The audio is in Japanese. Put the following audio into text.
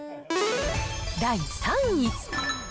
第３位。